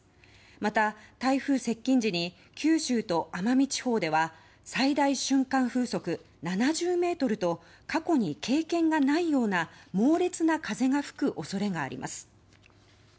また、台風接近時に九州と奄美地方では最大瞬間風速７０メートルと過去に経験がないような猛烈な風が吹く恐れがあります。